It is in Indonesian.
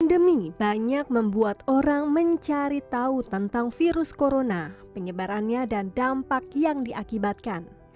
pandemi banyak membuat orang mencari tahu tentang virus corona penyebarannya dan dampak yang diakibatkan